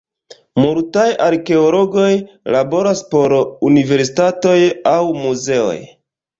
Multaj arkeologoj laboras por universitatoj aŭ muzeoj.